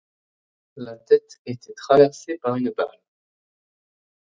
La tête était traversée par une balle.